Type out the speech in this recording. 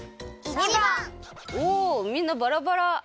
おおみんなバラバラ。